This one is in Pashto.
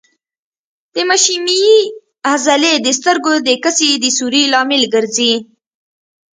د مشیمیې عضلې د سترګو د کسي د سوري لامل ګرځي.